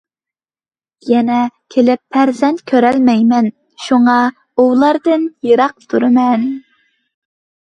يەنە كېلىپ پەرزەنت كۆرەلمەيمەن، شۇڭا، ئۇلاردىن يىراق تۇرىمەن.